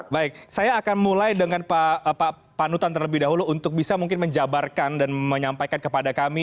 baik saya akan mulai dengan pak panutan terlebih dahulu untuk bisa mungkin menjabarkan dan menyampaikan kepada kami